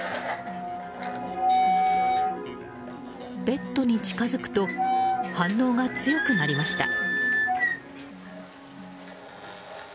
ベッドに近づくと反応が強くなりました。